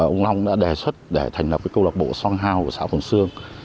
ông long đã đề xuất để thành lập câu lạc bộ song hào của xã phùng sương